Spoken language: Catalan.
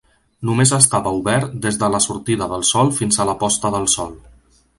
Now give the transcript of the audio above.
Només estava obert des de la sortida del sol fins a la posta de sol.